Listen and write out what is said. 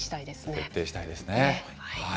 徹底したいですね。